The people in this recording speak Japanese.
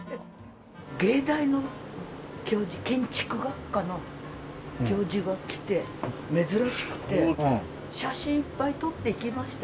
藝大の建築学科の教授が来て珍しくて写真いっぱい撮っていきましたよ。